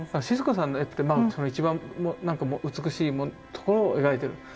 シスコさんの絵ってまあ一番美しいところを描いてる。